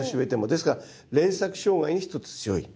ですから連作障害に一つ強い。